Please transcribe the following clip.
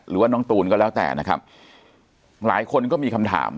หรือว่าน้องตูนก็แล้วแต่นะครับหลายคนก็มีคำถาม